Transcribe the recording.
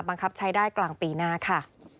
บังคับใช้ได้กลางปีหน้าค่ะ